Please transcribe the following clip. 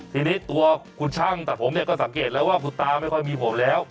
ทีนี้ตัวคุณช่างตัดผมเนี่ยก็สังเกตแล้วว่าคุณตาไม่ค่อยมีผมแล้ว